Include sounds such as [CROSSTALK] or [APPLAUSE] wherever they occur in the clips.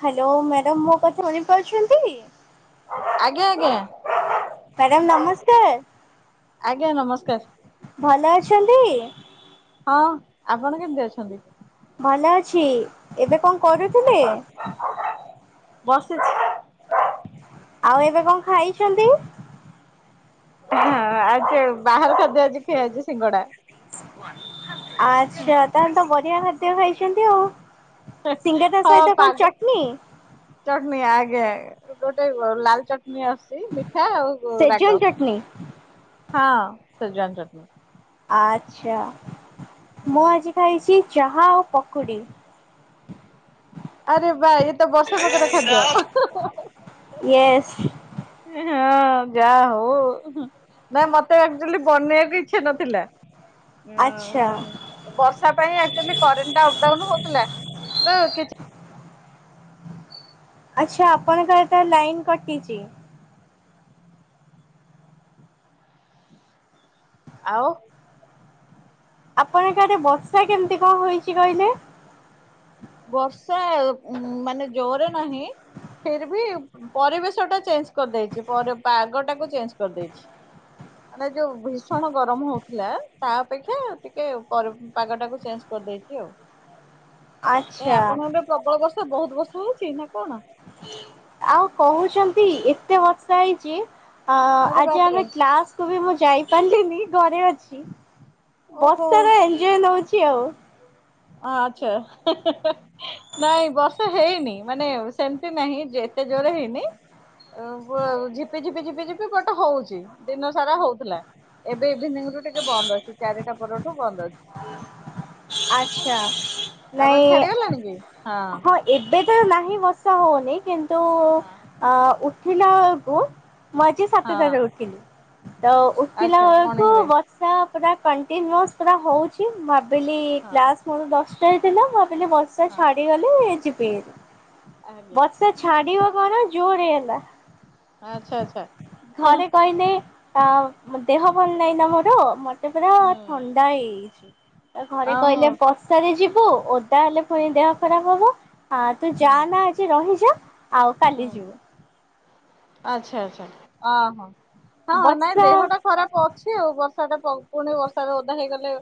Hello, madam ମୋ କଥା ଶୁଣିପାରୁଛନ୍ତି? ଆଜ୍ଞା, ଆଜ୍ଞା। ମ୍ୟାଡ଼ାମ୍ ନମସ୍କାର, ଆଜ୍ଞା ନମସ୍କାର ଭଲ ଅଛନ୍ତି? ହଁ, ଆପଣ କେମିତି ଅଛନ୍ତି? ଭଲ ଅଛି। ଏବେ କଣ କରୁଥିଲେ? ଆଜ୍ଞା ବସିଛି। ଆଉ ଏବେ କଣ ଖାଇଛନ୍ତି? ହଁ ଆଜି ଏ ବାହାର ଖାଦ୍ୟ ଆଜି ଖିଆ ହେଇଛି ସିଙ୍ଗଡା। ଆଚ୍ଛା, ତାହେଲେ ତ ବଢିଆ ଖାଦ୍ୟ ଖାଇଛନ୍ତି ଆଉ। ସିଙ୍ଗେରା ସହିତ କଣ ଚଟ୍ନି? ଚଟ୍ନି ଆଜ୍ଞା ଗୋଟେ ଅ, ଲାଲ ଚଟ୍ନି ଆସ ଚି ମିଠା ଆଉ ସେଜୱାନ ଗ-ରାଗ, ଚଟନି। ହଁ ସେଜୱାନ୍ ଚଟ୍ନି। ଆଚ୍ଛା, ମୁଁ ଆଜି ଖାଇଛି ଚାହା ଆଉ ପକୁଡ଼ି। ଆରେ ବା ଇଏ ତ ବର୍ଷା ପାଗର ଖାଦ୍ୟ। ୟେସ୍ ଏଁ ହଁ ଯା ହଉ ହୁଁ,। ନା ମୋତେ ଆକ୍ଚୁଲି ବନେଇବାକୁ ଇଚ୍ଛା ନଥିଲା। ଆଚ୍ଛା [INAUDIBLE] ବର୍ଷା ପାଇଁ ଆକ୍ଚୁଲି କରେଣ୍ଟ ଟା ଅପଡାଉନ୍ ହଉଥୁଲା। ତ କିଛି ଆଚ୍ଛା, ଆପଣଙ୍କ ଆଡ଼େ ଲାଇନ୍ କଟିଚି? ଆଉ। ଆପଣଙ୍କ ଆଡ଼େ ବର୍ଷା କେମିତି କଣ ହୋଇଛି କହିଲେ? ବର୍ଷା ଉଁ, ମାନେ ଜୋରେ ନାହିଁ, ଫେରଭି ପରିବେଶ ଟା ଚେଞ୍ଜ କରିଦେଇଛି, ପରେ ପାଗ ଟାକୁ ଚେଞ୍ଜ କରିଦେଇଛି। ମାନେ ଯୋଉ ଭୀଷଣ ଗରମ ହଉଥିଲା ତା ଅପେକ୍ଷା ଟିକେ ପରି ପାଗ ଟାକୁ ଚେଞ୍ଜ କରିଦେଇଚି ଆଉ। ଏ ଆଚ୍ଛା ଆପଣଙ୍କ ଆଡ଼େ ପ୍ରବଳ ବର୍ଷା ବହୁତ ବର୍ଷା ହେଇଛି ନା କଣ? ଆଉ କହୁଛନ୍ତି ଏତେ ବର୍ଷା ହେଇଛି ଅ, ଆରେ ଆଜି ବାପରେ ଆମେ କ୍ଲାସ୍ କୁ ବି ମୁଁ ଯାଇପାରିଲିନି ଘରେ ଅଛି, ଓହୋ। ବର୍ଷାର ଏନଞ୍ଜୟ ନଉଛି ଆଉ। ଆ, ଆଚ୍ଛା। ନାଇଁ ବର୍ଷା ହେଇନି, ମାନେ ସେମିତି ନାହିଁ ଯେ ଏତେ ଜୋର ହେଇନି। ଅ, ବ- ଝିପି ଝିପି ଝିପି ଝିପି ବଟ ହଉଛି ଦିନ ସାରା ହଉଥିଲା। ଏବେ ଇଭିନିଙ୍ଗ ରୁ ଟିକେ ବନ୍ଦ ଅଛି ଚାରିଟା ପରଠୁ ବନ୍ଦ ଅ ଆଚ୍ଛା ଆପଣ ନାଇଁ ଛାଡିଗଲାଣି କି? ହଁ ଏବେ ତ ନାହିଁ ବର୍ଷା ହଉନି କିନ୍ତୁ ହଁ ଆ, ଉଠିଲା ବେଳକୁ ମୁଁ ଆଜି ସାତ ଟାରେ ହଁ ଉଠିଲି, ତ ଉଠିଲା ଆଚ୍ଛା ବେଳକୁ ମର୍ଣ୍ଣିଂରେ ବ ଷା ପୁରା କଣ୍ଟିନ୍ୟୁସ୍ ପୁରା ହଉଛି ଭାବିଲି ହଁ କ୍ଲାସ୍ ମୋର ଦଶଟା ରେ ଥିଲା, ମୁଁ ଭାବିଲେ ବର୍ଷା ହଁ ଛାଡିଗଲେ ଯିବି ହେରି। ଆଜ୍ଞା। ବର୍ଷା ଛାଡିବ କଣ ଜୋରେ ହେଲା, ଆଚ୍ଛା ଆଚ୍ଛା। ହଁ ଘରେ କହିଲେ ଆଉ ଦେହ ଭଲ ନାହିଁ ନା ମୋର, ମୋତେ ପୁରା ହୁଁ ଥଣ୍ଡା ହେଇଯାଇଛି। ତ ଘରେ କହିଲେ ଆଉ ବର୍ଷାରେ ଯିବୁ ଓଦା ହେଲେ ହୁଁ ପୁଣି ଦେହ ଖରାପ ହବ। ହଁ ତୁ ହୁଁ ଯାନା ଆଜି ରହିଯା ଆଉ କାଲି ହୁଁ। ଯିବୁ। ଆଚ୍ଛା, ଆଚ୍ଛା, ଅଁ, ହଁ, ହଁ ନାଇଁ ବର୍ଷା ଦେହଟା ଖରାପ ଅଛି ଛି ଆଉ ବର୍ଷା ଟା ପ-ପୁଣି ବର୍ଷା ରେ ଓଦା ହେଇଗଲେ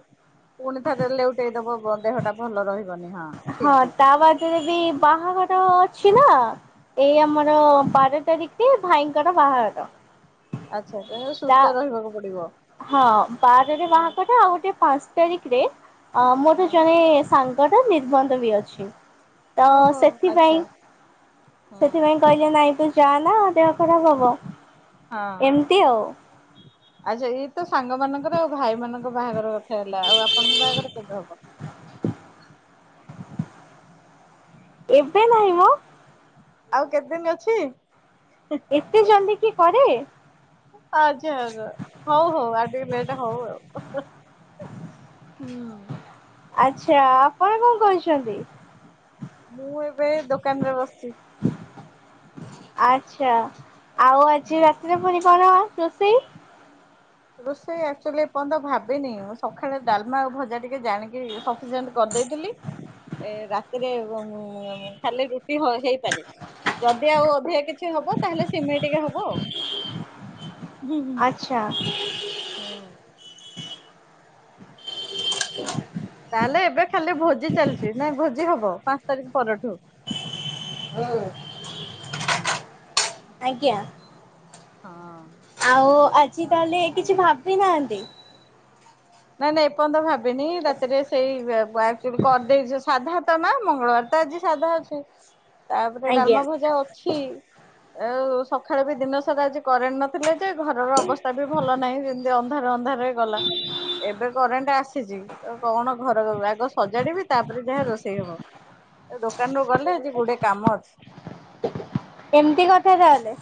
ପୁଣି ଥରେ ଲେଉଟେଇଦବ ବ ଦେହଟା ଭଲ ରହିବନି ହଁ। ହଁ ଠିକ ଠିକ। ତା ବାଦ ରେ ବି ବାହାଘର ଅଛି ନା। ଏଇ ହଁ। ଆମର ବାର ତାରିଖରେ ଭାଇଙ୍କର ବାହାଘର। ଆଚ୍ଛା ତ ତା ସୁସ୍ଥ ରହିବାକୁ ପଡିବ। ହଁ ବାରରେ ହଁ ବାହାଘର ଆଉ ଗୋଟେ ପାଞ୍ଚ ତାରିଖିରେ ଅ ହଁ। ମୋର ଜଣେ ସାଙ୍ଗଟା ନିର୍ବନ୍ଧ ବି ଅଛି। ତ ଓହୋ ସେଥିପାଇଁ ଆଚ୍ଛା। ହଁ। ସେଥିପାଇଁ କଇ ନାଇଁ ତୁ ଯା ନା ଦେହ ଖରାପ ହବ। ହଁ ଏମିତି ଆଉ। ଆଚ୍ଛା ଇଏ ତ ସାଙ୍ଗ ମାନଙ୍କର ଆଉ ଭାଇ ମାନଙ୍କ ବାହାଘର କଥା ହେଲା ଆଉ ଆପଣଙ୍କ ବାହାଘର କେବେ ହବ? ଏବେ ନାହିଁ ମ। ଆଉ କେତେଦିନ ଅଛି? ଏତେ ଜଲଦି କିଏ କରେ? ଆଛା ଆଛା ହଉ ହଉ ଆଉ ଟିକେ ଲେଟ ହଉ ଆଉ। ହୁଁ। ଆଚ୍ଛା ଆପଣ କଣ କହୁଛନ୍ତି? ମୁଁ ଏବେ ଦୋକାନ ରେ ବସିଚି। ଆଛା ଆଉ ଆଜି ହୁଁ। ରାତିରେ ପୁଣି କଣ ରୋଷେଇ? ରୋଷେଇ ଆକ୍ଚୁଆଲି ଏ ପର୍ଯ୍ୟନ୍ତ ଭାବିନି ମୁଁ ସଖାଳେ ଡାଲମା ଆଉ ଭଜା ଟିକେ ଜାଣିକି ସପିସେଣ୍ଟ କରିଦେଇଥିଲି। ଏ ରାତିରେ ଉଁ ଖାଲି ରୁଟି ହ-ହେଇପାରେ। ଯଦି ଆଉ ଅଧିକା କିଛି ହବ ତାହେଲେ ସିମେଇଁ ଟିକେ ହବ ଆଉ ହୁଁ। ଆଛା। ହଁ। ତାହେଲେ ଏବେ ଖାଲି ଭୋଜି ଚାଲିଚି ନାଇଁ ଭୋଜି ହବ ପାଞ୍ଚ ତାରିଖ ପରଠୁ। ହୁଁ। ଆଜ୍ଞା। ହଁ। ଆଉ ଆଜି ତାହେଲେ କିଛି ଭାବି ନାହାନ୍ତି? ନାଇଁ ନାଇଁ ଏପର୍ଯ୍ୟନ୍ତ ଭାବିନି ରାତିରେ ସେଇ [UNINTELLIGIBLE] କରିଦେଇଚି ସାଧା ତ ମା ମଙ୍ଗଳବାର ତ ଆଜି ସାଧା ଅଛି। ହ ତାପରେ ଡାଲମା ଭଜା ଅଛି ଆଉ ସକାଳେ ବି ଦିନ ସାରା ଆଜି କରେଣ୍ଟ ନଥିଲେ ଯେ ଘରର ଅବସ୍ଥା ବି ଭଲ ନାହିଁ ଯେମତି ଅନ୍ଧାର ଅନ୍ଧାରରେ ଗଲା। ଏବେ କରେଣ୍ଟ ଆସ ସିଚି ତ କଣ ଘର ଆଗ ସଜାଡିବି ତାପରେ ଯାହା ରୋଷେଇ ହବ। ତ ଦୋକାନରୁୁ ଗଲେ ଆଜି ଗୁଡ଼େ କାମ ଅଛି। ଏମିତି କଥା ତାହେଲେ।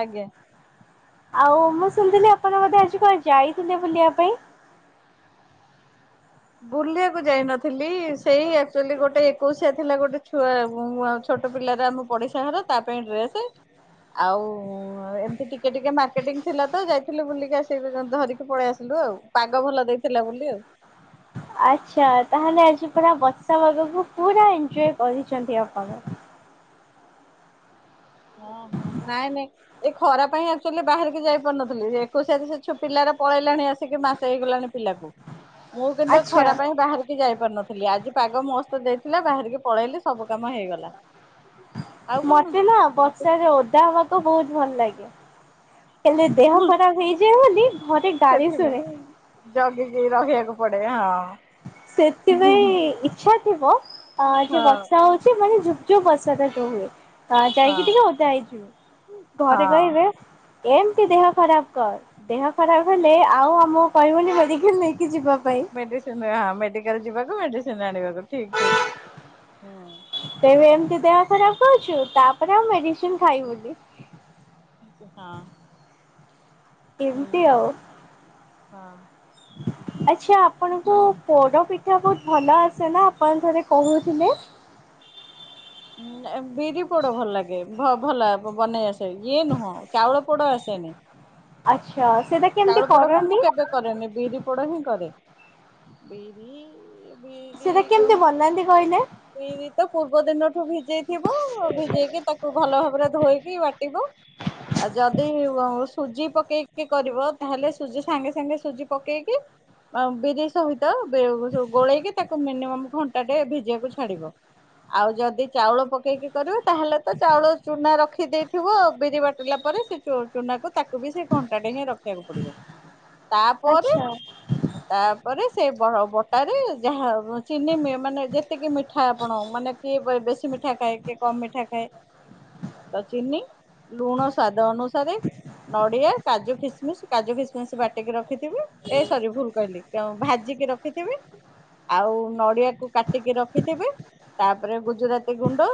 ଆଜ୍ଞା। ଆଉ ମୁଁ ଶୁଣିଥିଲି ଆପଣ ବୋଧେ ଆଜି କୁଆଡେ ଯାଇଥିଲେ ବୁଲିବା ପାଇଁ? ବୁଲିବାକୁ ଯାଇନଥିଲି ସେଇ ଆକ୍ଚୁଆଲି ଗୋଟେ ଏକୋଇଶିଆ ଥିଲା ଗୋଟେ ଛୁଆ [UNINTELLIGIBLE] ଛୋଟ ପିଲାର ଆମ ପଡ଼ିଶା ଘର ତା ପାଇଁ ଡ୍ରେସ ହଁ ଆଉ ଏମତି ଟିକେ ଟିକେ ମାର୍କେଟିଂ ଥିଲା ତ ଯାଇଥିଲି ବୁଲିକି ଆସି [UNINTELLIGIBLE] ଧରିକି ପଳେଇ ଆସିଲୁ ଆଉ। ପାଗ ଭଲ ଦେଇଥିଲା ବୋଲି ଆଉ। ଆଚ୍ଛା ତାହେଲେ ଆଜି ପୁରା ବସା ପାଗକୁ ପୁରା ଏଞ୍ଜୟ କରିଚନ୍ତି ଆପଣ। ଓ ହୋ ନାଇଁ ନାଇଁ ଏ ଖରାପ ପାଇଁ ଆକ୍‌ଚଲି ବାହାରିକି ଯାଇ ପାରୁନଥିଲି ଏକୋଇଶିଆ ସେ-ଛୁ ପିଲାର ପଳେଇଲାଣି ଆସିକି ମାସେ ହେଇଗଲାଣି ପିଲାକୁ। ମୁଁ କେନ୍ତିଆ ଆଚ୍ଛା ଖରା ପାଇଁ ବାହାରି କି ଯାଇ ପାରୁନଥିଲି ଆଜି ପାଗ ମସ୍ତ ଦେଇଥିଲା ବାହାରିକି ପଳେଇଲି ସବୁ କାମ ହେଇଗଲା। ଆଉ କଣ? ମତେ ନା ବର୍ଷାରେ ଓଦା ହବାକୁ ବୋହୁତ ଭଲ ଲାଗେ। ହେଲେ ଦେହ ଖରାପ ହେଇଯାଏ ବୋଲି ଘରେ ଗାଳି ଶୁଣେ। ସେଥିପାଇଁ ଜଗିକି ରହିବାକୁ ପଡେ ହଁ। ହଁ ସେଥିପାଇଁ ଇଚ୍ଛା ଥିବ ଯେ ବର୍ଷା ହୋଉଚି ମାନେ ଝୁ ଯୋଉ ବର୍ଷାଟ ଯୋଉ ହୁଏ। ଆଁ ହଁ ଯାଇଁକି ଟିକେ ଉଦା ହେଇଯିବ। ଘରେ ହଁ। କହିବେ ଏମତି ଦେହ ଖରାପ କର। ଦେହ ଖରାପ ହେଲେ ଆଉ ଆମକୁ କହିବନି ମେଡିକାଲ ନେଇକି ଯିବା ପାଇଁ। ମେଡିସିନ ହଁ ମେଡିକାଲ ଯିବାକୁ ମେଡିସିନ ଆଣିବାକୁ ଠିକ୍ ଠିକ୍ ହୁଁ। ତେବେ ଏମିତି ଦେହ ଖରାପ ହୋଉଚୁ ତାପରେ ଆଉ ମେଡିସିନ ଖାଇବୁନି। ହଁ ହୁଁ ଏମିତି ଆଉ ହଁ। ଆଚ୍ଛା ଆପଣଙ୍କୁ ପୋଡ ପି ଠା ବୋହୁତ ଭଲ ଆସେନା ଆପଣ ଥରେ କୋହୁଥିଲେ। ଉଁ ଏ ବିରି ପୋଡ ଭଲ ଲାଗେ। ଭ-ଭଲା ବନେଇ ଆସେ। ଇଏ ନୁହଁ ଚାଉଳ ପୋଡ ଆସେନି। ଆଚ୍ଛା ସେଟା ଚାଉଳ କେମିତି ପୋଡ ବା ମୁଁ କରନ୍ତି? କେବେ କରେନି ବିରି ପୋଡ ହିଁ କରେ। ବିରିହି ସେଟା କେମିତି ବନାନ୍ତି କହିଲେ? ବିରି ତ ପୂର୍ବ ଦିନଠୁ ଭିଜେଇ ଥିବ। ଭିଜେଇକି ତାକୁ ଭଲ ଭାବରେ ଧୋଇକି ବା ଟିବୁ ଆଉ ଯଦି [UNINTELLIGIBLE] ସୁଜି ପକେଇକି କରିବ ତାହେଲେ ସୁଜି ସାଙ୍ଗେ ସାଙ୍ଗେ ସୁଜି ପକେଇକି ଆ ବିରି ସହିତ ବେ ସ ଗୋଳେଇକି ତାକୁ ମିନିମମ୍ ଘଣ୍ଟାଟେ ଭିଜିବାକୁ ଛାଡିବ। ଆଉ ଯଦି ଚାଉଳ ପକେଇକି କରିବୁ ତାହେଲେ ତ ଚାଉଳ ଚୁନା ରଖିଦେଇଥିବ। ବିରି ବାଟିଲା ପରେ ସେ ଚୋ ଚୁନାକୁ ତାକୁ ବି ସେ ଘଣ୍ଟାଟେ ହିଁ ରଖିବାକୁ ପଡିବ। ତାପରେ ଆଚ୍ଛା ତାପରେ ସେ ବହ-ବଟାରେ ଯାହା ଚିନି ମି ମାନେ ଯେତିକି ମିଠା ଆପଣ ମାନେ କିଏ ବେଶୀ ମିଠା ଖାଏ କିଏ କମ୍ ମିଠା ଖାଏ। ତ ଚିନି ଲୁଣ ସ୍ୱାଦ ଅନୁସାରେ ନଡିଆ କାଜୁ ଖିସମିସ୍ କାଜୁ ଖିସମିସ୍ ବାଟିକି ରଖିଥିବେ। ଏ ସରି ଭୁଲ କହିଲି। [UNINTELLIGIBLE] ଭାଜିକି ରଖିଥିବେ। ଆଉ ନଡିଆକୁ କାଟିକି ରଖିଥିବେ ତାପରେ ଗୁଜୁରା ତି ଗୁଣ୍ଡ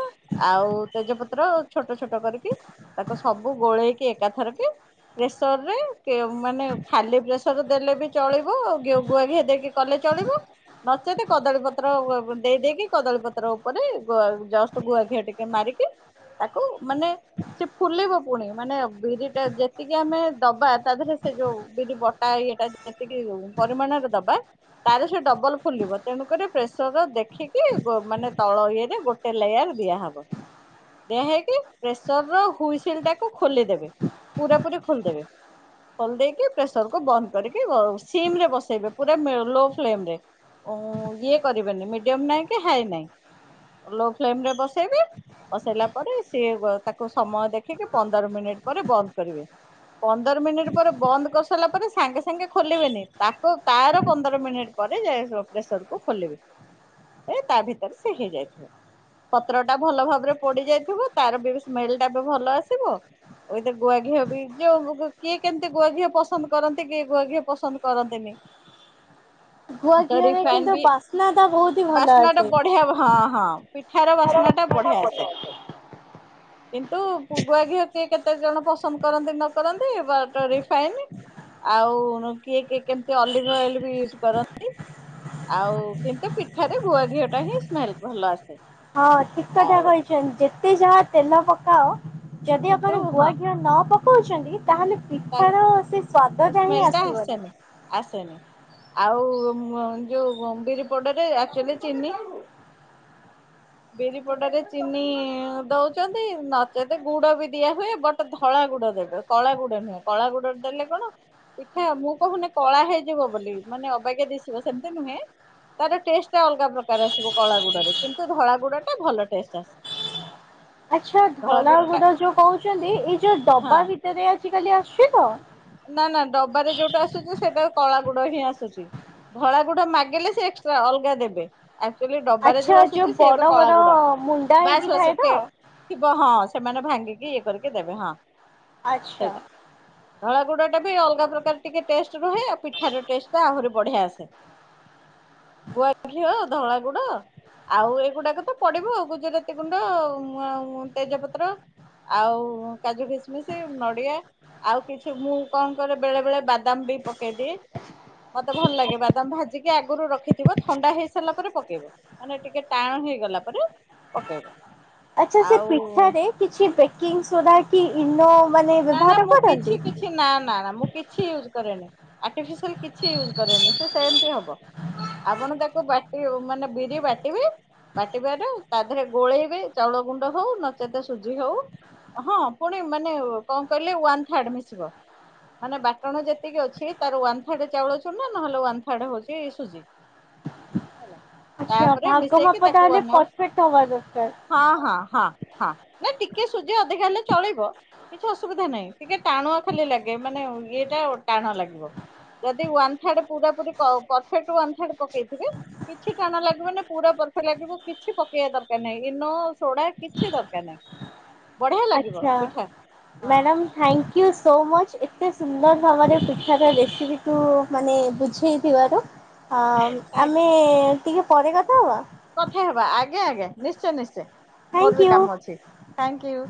ଆଉ ତେଜପତ୍ର ଛୋଟ ଛୋଟ କରିକି ତାକୁ ସବୁ ଗୋଳେଇକି ଏକା ଥରକେ ପ୍ରେସରରେ କେ ମାନେ ଖାଲି ପ୍ରେସର ଦେଲେ ବି ଚଳିବ ଗି ଗୁଆ ଘିଅ ଦେଇକି କଲେ ଚଳିବୁ ନଚେତ କଦଳୀ ପତ୍ର ଦେଇ ଦେଇକି କଦଳୀ ପତ୍ର ଉପରେ ଗ ଜଷ୍ଟ ଗୁଆ ଘିଅ ଟିକେ ମାରିକି ତାକୁ ମାନେ ସେ ଫୁଲିବ ପୁଣି ମାନେ ବିରିଟା ଯେତିକି ଆମେ ଦବା ତା ଦେହରେ ସେ ଯୋଉ ବିରି ବଟା ଇଏଟା ଯେତିକି ପରିମାଣରେ ଦବା ତାର ସେ ଡବଲ ଫୁଲିବ। ତେଣୁକରି ପ୍ରେସର ଦେଖିକି ବ ମାନେ ତଳ ଇଏରେ ଗୋଟେ ଲେୟାର ଦିଆହବ। ଦଆ ହେଇକି ପ୍ରେସରର ହୁସିଲ୍ ଟାକୁ ଖୋଲିଦେବେ ପୁରା ପୁରି ଖୋଲିଦେବେ। ଖୋଲି ଦେଇକି ପ୍ରେସରକୁ ବନ୍ଦ କରିକି ବ ସିମରେ ବସେଇବେ ପୁରା ମି ଲୋ ଫ୍ଲେମରେ। ଓଁ ଇଏ କରିବେନି ମିଡିୟମ ନାହିଁ କି ହାଇ ନାହିଁ। ଲୋ ଫ୍ଲେମରେ ବସେଇବେ। ବସେଇଲା ପରେ ସିଏ ତାକୁ ସମୟ ଦେଖିକି ପନ୍ଦର ମିନିଟ ପରେ ବନ୍ଦ କରିବେ। ପନ୍ଦର ମିନିଟ୍ ପରେ ବନ୍ଦ କରିସାରିଲା ପରେ ସାଙ୍ଗେ ସାଙ୍ଗେ ଖୋଲିବେନି ତାକୁ ତାର ପନ୍ଦର ମିନିଟ୍ ପରେ ଯାଇ ସ ପ୍ରେସରକୁ ଖୋଲିବେ। ଏ ତା ଭିତରେ ସେ ହେଇଯାଇଥିବ। ପତ୍ରଟା ଭଲ ଭାବରେ ପୋଡି ଯାଇଥିବ। ତାର ବି ସ୍ମେଲ ଟା ବି ଭଲ ଆସିବ। ଉଇଥି [UNINTELLIGIBLE] ଗୁଆ ଘିଅ ବି ଯୋଉ କିଏ କେମିତି ଗୁଆ ଘିଅ ପସନ୍ଦ କରନ୍ତି। କିଏ ଗୁଆ ଘିଅ ପସନ୍ଦ କରନ୍ତିନି। ଗୁଆ ତ ଘିଅରେ ରିଫାଇନ କିନ୍ତୁ ବି ବାସ୍ନାଟା ବୋହୁତ ହି ଭଲ ବାସ୍ନା ଆସେ। [UNINTELLIGIBLE] ହଁ ହଁ। ପିଠାର ବାସ୍ନାଟା ବଢିଆ ଆସେ। ହଁ [INAUDIBLE] କିନ୍ତୁ ପୁ ଗୁଆ ଘିଅ କିଏ କେତେ ଜଣ ପସନ୍ଦ କରନ୍ତି ନ କରନ୍ତି ବାଟ ରିଫାଇନି ଆଉ ନ କିଏ କିଏ କେମିତି [UNINTELLIGIBLE] ଅଏଲ୍ ବି ୟୁଜ୍ କରନ୍ତି। ଆଉ କିନ୍ତୁ ପିଠାରେ ଗୁଆ ଘିଅ ଟା ହିଁ ସ୍ମେଲ ଭଲ ଆସେ। ହଁ ଠିକ କଥା ଆଉ କହିଚନ୍ ଯେତେ ଯାହା ତେଲ ପକାଅ ଯଦି କିନ୍ତୁ ଆପଣ ଗୁଆ ହଁ ଘିଅ ନ ପକୋଉଚନ୍ତି ତାହେଲେ ତା ପିଠାର ସେ ସ୍ଵାଦ ଟା ହିଁ ସ୍ମେଲ ଆସିବନି। ଆସେନି ଆସେନି ଆଉ [UNINTELLIGIBLE] ଯୋଉ ବିରି ପୋଡୋରେ ଆକ୍ଚୋଲି ଚିନି ବିରି ପୋଡରେ ଚିନି ଦୋଉଚନ୍ତି ନଚେତେ ଗୁଡ ବି ଦିଆ ହୁଏ ବଟ୍ ଧଳା ଗୁଡ ଦେବେ। କଳା ଗୁଡ ନୁହେଁ କଳା ଗୁଡ [UNINTELLIGIBLE] ଦେଲେ କଣ ପିଠା ମୁଁ କୋହୁନି କଳା ହେଇଯିବ ବୋଲି ମାନେ ଅବାଗିଆ ଦିଶିବ ସେମିତି ନୁହେଁ। ତାର ଟେଷ୍ଟ ଟା ଅଲଗା ପ୍ରକାର ଆସିବ କଳା ଗୁଡରେ କିନ୍ତୁ ଧଳା ଗୁଡ ଟା ଭଲ ଟେଷ୍ଟ ଆସେ। ଆଚ୍ଛା ଧଳା ଗୁଡ ଯୋଉ କୋହୁଚନ୍ତି ଏଇ ଯୋଉ ହଁ ଡବା ଭିତରେ ଆଜିିକାଲି ଆସୁଛି ତ। ନା ନା ଡବାରେ ଯୋଉଟା ଆସୁଚି ସେଇଟା କଳା ଗୁଡ ହିଁ ଆସୁଚି। ଧଳା ଗୁଡା ମାଗିଲେ ସେ ଏକ୍ସଟ୍ରା ଅଲଗା ଦେବେ। ଆକ୍ଚୋଲି ଡବାରେ ଯୋଉ ଆଚ୍ଛା ଆସୁଛି ସିଏ ଏବେ ବଡ କଳା ବଡ ଗୁଡ ମୁଣ୍ଡା ହେଇକି ବାସ ବାସ। ଥାଏ ତ [UNINTELLIGIBLE] ଥିବ ହଁ ସେମାନେ ଭାଙ୍ଗିକି ଇଏ କରିକି ଦେବେ ହଁ। ଆଚ୍ଛା। ଧଳା ଗୁଡ଼ା ଟା ବି ଅଲଗା ପ୍ରକାର ଟିକେ ଟେଷ୍ଟ ରୁହେ ଆଉ ପିଠାର ଟେଷ୍ଟଟା ଆହୁରି ବଢିଆ ଆସେ। ଗୁଆ ଘିଅ ଆଉ ଧଳା ଗୁଡ ଆଉ ଏଇଗୁଡାକ ତ ପଡିବ ଆଉ ଗୁଜୁରାତି ଗୁଣ୍ଡ ଆଉ [UNINTELLIGIBLE] ତେଜପତ୍ର। ଆଉ କାଜୁ କିସମିସ ନଡିଆ ଆଉ କିଛି ମୁଁ କଣ କରେ ବେଳେ ବେଳେ ବାଦାମ ବି ପକେଇଦିଏ। ମତେ ଭଲ ଲାଗେ ବାଦାମ ଭାଜିକି ଆଗୁରୁ ରଖିଥିବ ଥଣ୍ଡା ହେଇ ସାରିଲା ପରେ ପକେଇବ। ମାନେ ଟିକେ ଟାଣ ହେଇଗଲା ପରେ ପକେଇବ। ଆଚ୍ଛା ସେ ଆଉ ପିଠ କିଛି ବେକିଙ୍ଗି ସୋଡା କି ଇନୋ ମାନେ ନା ନା ବ୍ୟବହାର ମୁଁ କରନ୍ତି। [UNINTELLIGIBLE] ନା ନା ନା ମୁଁ କିଛି ଇୟୁଜ କରେନି ଆର୍ଟିଫିସିଆଲ କିଛି ଇୟୁଜ କରେନି ସେ ସେମିତି ହବ। ଆପଣ ତାକୁ ବାଟି [UNINTELLIGIBLE] ମାନେ ବିରି ବାଟିବେ ବାଟି [UNINTELLIGIBLE] ତା ଦେହେରେ ଗୋଳେଇବେ ଚାଉଳ ଗୁଣ୍ଡ ହୋଉ ନଚେତ ସୁଜି ହୋଉ ହଁ ଫୁଣି ମାନେ କଁ କହିଲେ ୱାନ୍ ଥାର୍ଡ ମିଶିବ। ମାନେ ବାଟଣ ଯେତିକି ଅଛି ତାର ୱାନ୍ ଥାର୍ଡ ଚାଉଳ ଚୁନା ନହେଲେ ୱାନ୍ ଥାର୍ଡ ହୋଉଚି ସୁଜି। ହେଲା। ଆଚ୍ଛା ତାପରେ ଭାଗ ମିଶେଇକି ମାପ ତାକୁ ତାହେଲେ ୱାନ ପରଫେକ୍ଟ ହବା ଦରକାର। ଆୱାର ହଁ ହଁ ହଁ ହଁ। ନାଇଁ ଟିକେ ସୁଜି ଅଧିକା ହେଲେ ଚଳିବ। କିଛି ଅସୁବିଧା ନାଇଁ ଟିକେ ଟାଣୁଆ ଖାଲି ଲାଗେ ମାନେ ଇଏଟା ଟାଣ ଲାଗିବ। ଯଦି ୱାନ ଥାର୍ଡ ପୁରାପୁରି କ ପରଫେକ୍ଟ ୱାନ ଥାର୍ଡ ପକେଇଥିବେ କିଛି ଟାଣୁଆ ଲାଗିବନି ପୁରା [UNINTELLIGIBLE] ଲାଗିବ କିଛି ପକେଇବା ଦରକାର ନାଇଁ ଇନୋ ସୋଢା କିଛି ଦରକାର ନାଇଁ। [INAUDIBLE] ବଢିଆ ଲାଗିବ ପିଠା। ମ୍ୟାଡାମ୍ ହଁ ଥାଙ୍କିୟୁ ସୋ ମଚ ଏତେ ସୁନ୍ଦର ଭାବରେ ପି ଠାର ରେସିପିକୁୁ ମାନେ ବୁଝେଇଥିବାରୁ ଅଁମ୍ ଆମେ ଟିକେ ପରେ କଥା ହବା। କଥା ହେବା ଆଜ୍ଞା ଆଜ୍ଞା ନିଶ୍ଚୟ ନିଶ୍ଚୟ ମୋରୋ ବି ଥ୍ୟାଙ୍କୟୁ। କାମ ଅଛି ଥାଙ୍କିୟୁ।